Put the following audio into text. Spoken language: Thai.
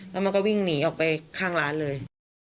แล้วมันก็วิ่งหนีออกไปข้างร้านเลย